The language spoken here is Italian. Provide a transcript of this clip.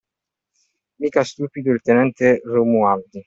Mica stupido il tenente Romualdi!